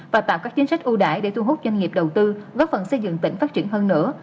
và tạo các chính sách ưu đại để thu hút doanh nghiệp đầu tư góp phần xây dựng tỉnh phát triển hơn nữa